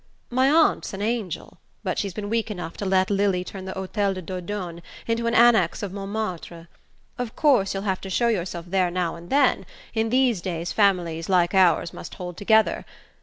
My aunt's an angel, but she's been weak enough to let Lili turn the Hotel de Dordogne into an annex of Montmartre. Of course you'll have to show yourself there now and then: in these days families like ours must hold together.